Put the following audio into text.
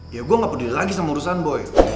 ya gue gak peduli lagi sama urusan boy